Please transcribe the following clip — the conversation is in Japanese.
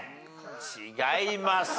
違います。